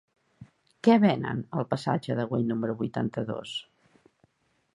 Què venen al passatge de Güell número vuitanta-dos?